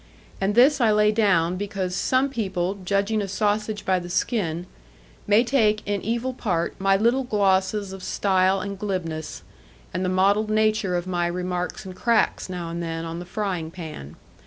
And this I lay down, because some people judging a sausage by the skin, may take in evil part my little glosses of style and glibness, and the mottled nature of my remarks and cracks now and then on the frying pan.